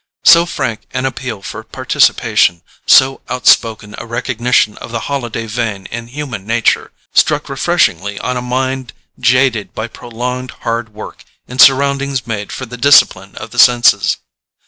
So frank an appeal for participation—so outspoken a recognition of the holiday vein in human nature—struck refreshingly on a mind jaded by prolonged hard work in surroundings made for the discipline of the senses.